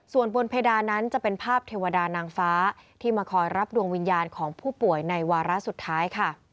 ส่วนบนเพดานนั้นจะเป็นภาพเทวดานางฟ้าที่มาคอยรับดวงวิญญาณของผู้ป่วยในวาระสุดท้ายค่ะ